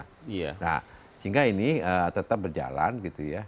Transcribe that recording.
nah sehingga ini tetap berjalan gitu ya